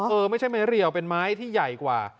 เออไม่ใช่ไม้เรียวเป็นไม้ที่ใหญ่กว่า